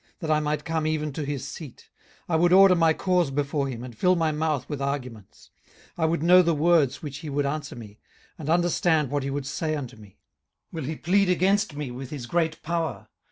that I might come even to his seat! 18:023:004 I would order my cause before him, and fill my mouth with arguments. 18:023:005 I would know the words which he would answer me, and understand what he would say unto me. 18:023:006 Will he plead against me with his great power?